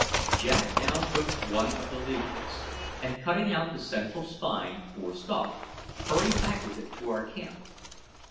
Jack now took one of the leaflets, and cutting out the central spine or stalk, hurried back with it to our camp.